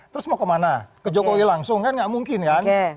terus mau kemana ke jokowi langsung kan nggak mungkin kan